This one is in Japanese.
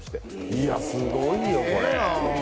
いや、すごいよ、これ。